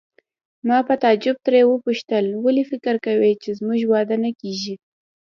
ما په تعجب ترې وپوښتل: ولې فکر کوې چې زموږ واده نه کیږي؟